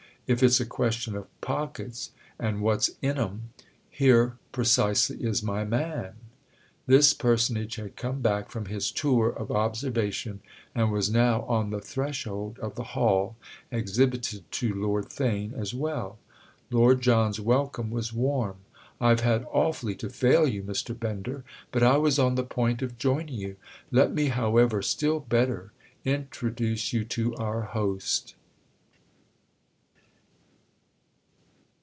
"If it's a question of pockets—and what's in 'em—here precisely is my man!" This personage had come back from his tour of observation and was now, on the threshold of the hall, exhibited to Lord Theign as well. Lord John's welcome was warm. "I've had awfully to fail you, Mr. Bender, but I was on the point of joining you. Let me, however, still better, introduce you to our host."